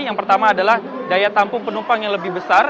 yang pertama adalah daya tampung penumpang yang lebih besar